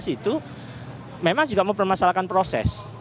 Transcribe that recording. dua ribu itu memang juga mempermasalahkan proses